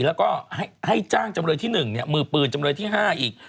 แล้วก็ให้จ้างจำเลยที่๑มือปืนจำเลยที่๕อีก